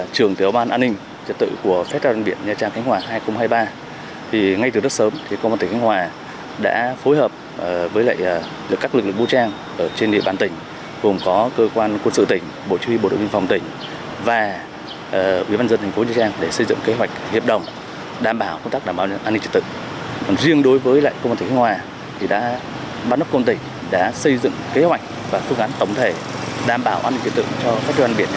công an tỉnh khánh hòa đã xây dựng kế hoạch và phương án tổng thể đảm bảo an ninh trật tự cho festival biển nhà trạng khánh hòa hai nghìn hai mươi ba